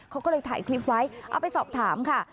เขาก็เลยถ่ายคลิปไว้เอาไปสอบถามค่ะ